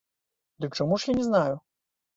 Дык чаму ж я не знаю?